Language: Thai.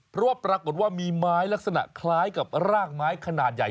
เพราะว่าปรากฏว่ามีไม้ลักษณะคล้ายกับรากไม้ขนาดใหญ่